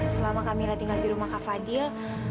selama kak mila tinggal di rumah kak fadil